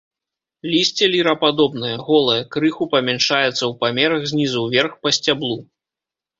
Лісце лірападобнае, голае, крыху памяншаецца ў памерах знізу ўверх па сцяблу.